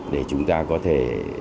để chúng ta có thể